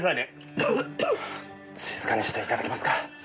静かにして頂けますか。